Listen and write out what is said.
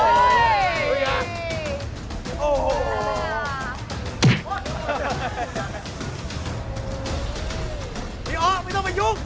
ดีกว่าเยี่ยมไม่ต้องไปยุ้ง